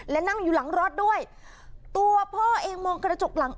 และนั่งอยู่หลังรถด้วยตัวพ่อเองมองกระจกหลัง